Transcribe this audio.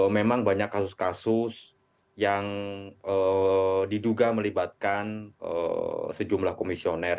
memang banyak kasus kasus yang diduga melibatkan sejumlah komisioner